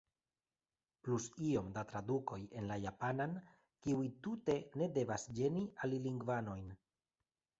Plus iom da tradukoj en la japanan, kiuj tute ne devas ĝeni alilingvanojn.